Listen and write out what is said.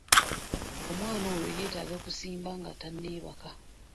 Omwana oyo yetaaga kusimba nga tanneebaka.